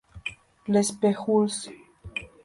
Les Pujols